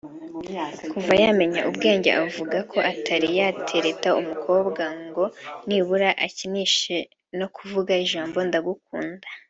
Kuva yamenya ubwenge avuga ko atari yatereta umukobwa ngo nibura akinishe no kuvuga ijambo ndagukunda